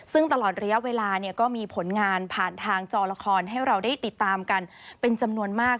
ซึ่งตลอดระยะเวลาเนี่ยก็มีผลงานผ่านทางจอละครให้เราได้ติดตามกันเป็นจำนวนมาก